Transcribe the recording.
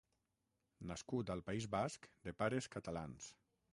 Nascut al País Basc de pares catalans.